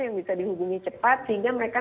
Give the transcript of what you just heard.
yang bisa dihubungi cepat sehingga mereka